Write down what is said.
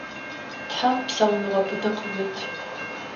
Тхьэм псауныгъэ пытэ къыует.